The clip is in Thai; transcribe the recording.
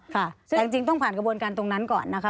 แต่จริงต้องผ่านกระบวนการตรงนั้นก่อนนะคะ